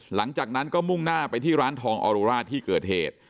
หลังจากนั้นก็มุ่งหน้าไปที่ร้านทองออโรร่าที่เกิดเหตุ